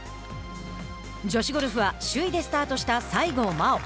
女子ゴルフは首位でスタートした西郷真央。